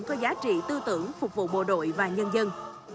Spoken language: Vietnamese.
có giá trị tư tưởng phục vụ bộ đội và nhân dân